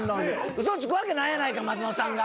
ウソつくわけないやないか松本さんが。